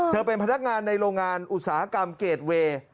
เป็นพนักงานในโรงงานอุตสาหกรรมเกรดเวย์